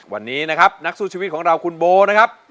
วันนี้นะครับนักสู้ชีวิตของเราคุณโบนะครับ